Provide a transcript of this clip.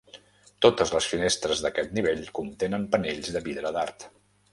Totes les finestres d'aquest nivell contenen panells de vidre d'art.